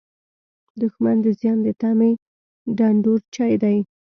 دښمن د زیان د تمې ډنډورچی دی